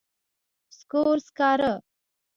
سکور، سکارۀ